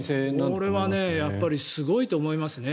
これはすごいと思いますね。